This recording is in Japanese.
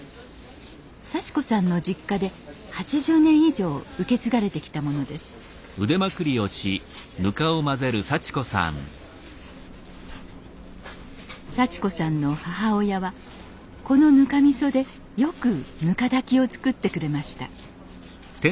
幸子さんの実家で８０年以上受け継がれてきたものです幸子さんの母親はこのぬかみそでよくぬか炊きを作ってくれました